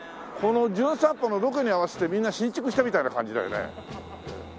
この『じゅん散歩』のロケに合わせてみんな新築したみたいな感じだよね。